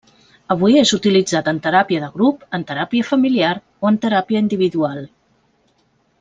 Avui és utilitzat en teràpia de grup, en teràpia familiar o en teràpia individual.